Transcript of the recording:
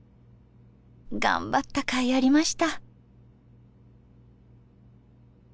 頑張ったかいありました。